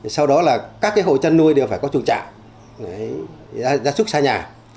sau đó là các cái hộ chăn nuôi đều phải có trùng chạy ra súc xa nhà